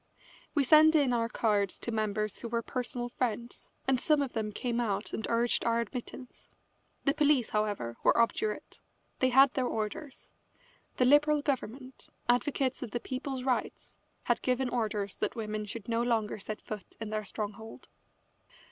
We sent in our cards to members who were personal friends, and some of them came out and urged our admittance. The police, however, were obdurate. They had their orders. The Liberal government, advocates of the people's rights, had given orders that women should no longer set foot in their stronghold.